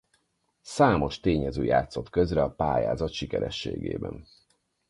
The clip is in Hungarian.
Számos tényező játszott közre a pályázat sikerességében.